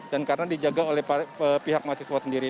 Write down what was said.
dan karena dijaga oleh pihak mahasiswa sendiri